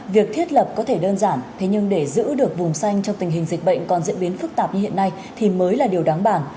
việc thiết lập có thể đơn giản thế nhưng để giữ được vùng xanh trong tình hình dịch bệnh còn diễn biến phức tạp như hiện nay thì mới là điều đáng bản